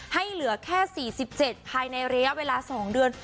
ให้เหลือแค่สี่สิบเจ็ดภายในเรียวเวลาสองเดือน